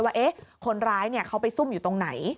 ว่าคนร้ายเขาไปซุ่มอยู่ตรงไหน